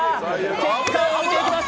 結果を見ていきます。